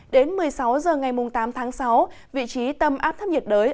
đến một mươi sáu h ngày tám tháng sáu vị trí tâm áp thấp nhiệt đới